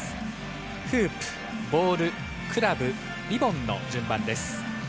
フープ、ボール、クラブ、リボンの順番です。